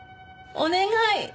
お願い！